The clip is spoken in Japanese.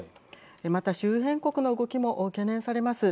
また、周辺国の動きも懸念されます。